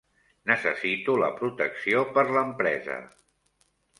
Necessito la protecció per l'empresa.